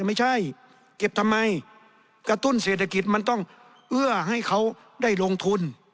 ไม่ใช่เก็บทำไมกระตุ้นเศรษฐกิจมันต้องเอื้อให้เขาได้ลงทุน